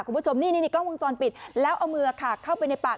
คุณผู้ชมนี่นี่กล้องวงจรปิดแล้วเอามือค่ะเข้าไปในปาก